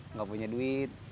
nggak punya duit